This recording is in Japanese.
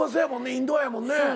インドアやもんね。